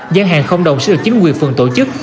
gian hàng không đồng sẽ được chính quyền phường tổ chức